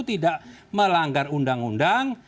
tidak melanggar undang undang